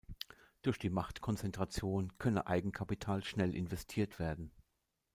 Durch die Machtkonzentration könne Eigenkapital schnell investiert werden.